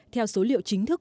theo số liệu chính thức